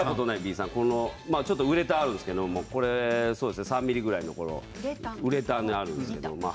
ウレタンがあるんですけど３ｍｍぐらいのウレタンがあるんですけど。